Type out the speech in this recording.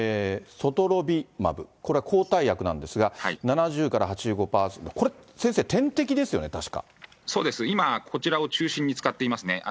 ソトロビマブ、これは抗体薬なんですが、７０から８５％、これ、先生、点滴ですそうです、今、こちらを中心に使っていますね。